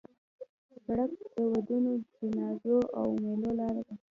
سړک د ودونو، جنازو او میلو لاره ده.